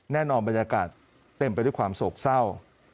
บรรยากาศเต็มไปด้วยความโศกเศร้า